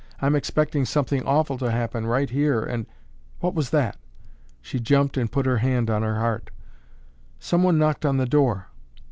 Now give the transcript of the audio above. I'm expecting something awful to happen right here and—what was that?" She jumped and put her hand on her heart. "Someone knocked on the door."